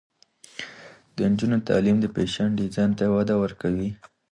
د نجونو تعلیم د فیشن ډیزاین ته وده ورکوي.